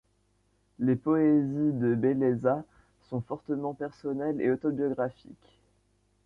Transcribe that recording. Les poésies de Bellezza sont fortement personnelles et autobiographiques.